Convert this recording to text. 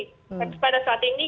tapi pada saat ini kita belum bisa